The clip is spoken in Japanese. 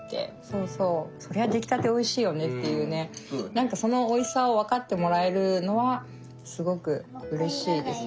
何かそのおいしさを分かってもらえるのはすごくうれしいですね。